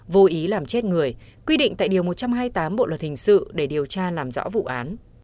vô ý làm chết người quy định tại điều một trăm hai mươi tám bộ luật hình sự để điều tra làm rõ vụ án